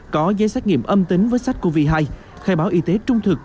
có giấy xét nghiệm âm tính với sách covid hai khai báo y tế trung thực